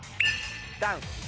ダウン。